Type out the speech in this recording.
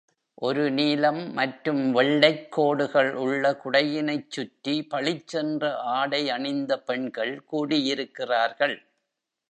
ஒரு நீலம் மற்றும் வெள்ளைக் கோடுகள் உள்ள குடையினைச் சுற்றி பளிச்சென்ற ஆடை அணிந்த பெண்கள் கூடியிருக்கிறார்கள்.